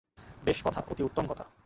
বেশ কথা, অতি উত্তম কথা!